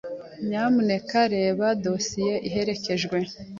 Nyamuneka reba dosiye iherekejwe.